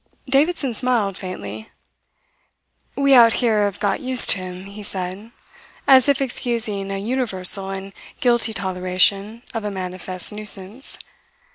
Davidson smiled faintly. "We out here have got used to him," he said, as if excusing a universal and guilty toleration of a manifest nuisance.